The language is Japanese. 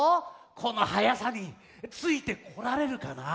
このはやさについてこられるかな？